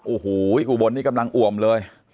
โอ้โหอุบลนี่กำลังอวมเลย